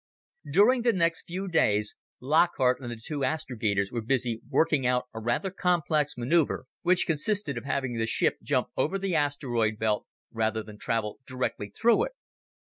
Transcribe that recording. During the next few days, Lockhart and the two astrogators were busy working out a rather complex maneuver, which consisted of having the ship jump over the asteroid belt rather than travel directly through it.